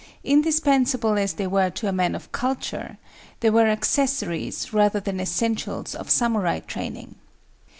Indispensable as they were to a man of culture, they were accessories rather than essentials of samurai training.